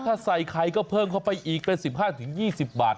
ถ้าใส่ไข่ก็เพิ่มเข้าไปอีกเป็น๑๕๒๐บาท